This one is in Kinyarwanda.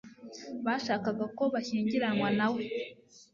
bashakaga ko bashyingiranywa nawe